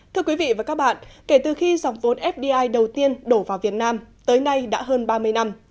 thưa quý vị và các bạn kể từ khi dòng vốn fdi đầu tiên đổ vào việt nam tới nay đã hơn ba mươi năm